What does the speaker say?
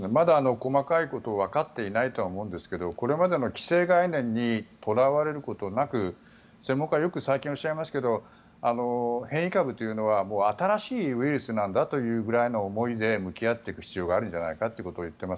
細かいことはわかっていないと思うんですがこれまでの既成概念にとらわれることなく専門家が最近よくおっしゃいますが変異ウイルスというのはもう新しいウイルスなんだというくらいの思いで向き合う必要があるんじゃないかと言っています。